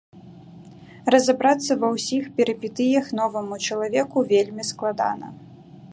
Разабрацца ва ўсіх перыпетыях новаму чалавеку вельмі складана.